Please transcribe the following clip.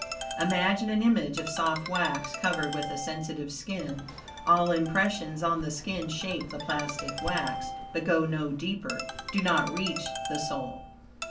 Imagine an image of soft wax, covered with a sensitive skin. All impressions on the skin shape the plastic wax, but go no deeper do not reach the soul.